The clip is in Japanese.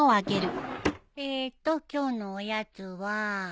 えーと今日のおやつは。